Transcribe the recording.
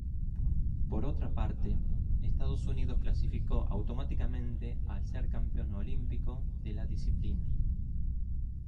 Por otra parte, Estados Unidos clasificó automáticamente al ser campeón olímpico de la disciplina.